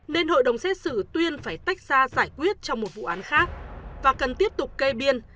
nên hội đồng xét xử tuyên phải tách ra giải quyết trong một vụ án khác và cần tiếp tục kê biên